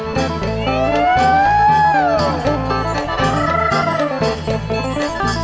โชว์ฮีตะโครน